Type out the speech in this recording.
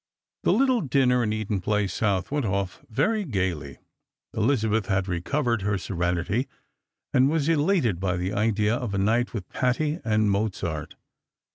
The little dinner in Eaton place south went off very gaily. Elizabeth had recovered her serenity, and was elated by the idea of a night with Patti and Mozart.